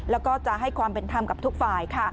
แล้วก็จะให้ความเป็นธรรมกับทุกฝ่าย